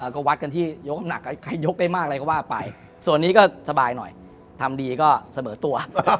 ก็วัดกันที่ยกหนักใครยกได้มากอะไรก็ว่าไปส่วนนี้ก็สบายหน่อยทำดีก็เสมอตัว